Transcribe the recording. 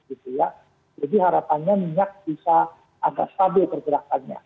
jadi harapannya minyak bisa agak stabil pergerakannya